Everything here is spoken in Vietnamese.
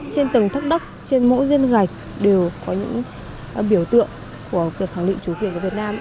trên tầng thấp trên mỗi viên gạch đều có những biểu tượng của việc khẳng định chủ quyền của việt nam